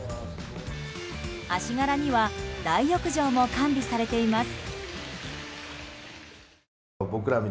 足柄には大浴場も完備されています。